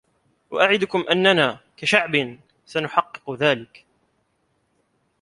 وأعِدَكُم أننا، كشعب، سنحقق ذلك.